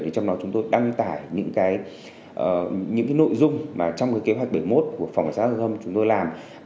và chúng tôi đăng tải những cái những cái nội dung mà trong cái kế hoạch bảy mươi một của phòng cảnh sát giao thông chúng tôi làm